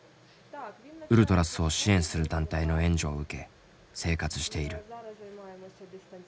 ウルトラスを支援する団体の援助を受け生活している。